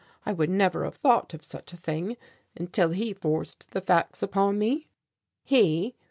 I would never have thought of such a thing until he forced the facts upon me." "He?